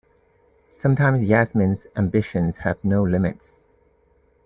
Sometimes Yasmin's ambitions have no limits.